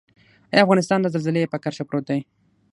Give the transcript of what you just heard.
آیا افغانستان د زلزلې په کرښه پروت دی؟